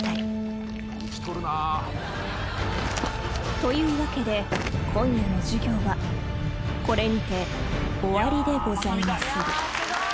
［というわけで今夜の授業はこれにて終わりでございまする］